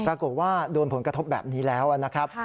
ปรากฏว่าโดนผลกระทบแบบนี้แล้วนะครับ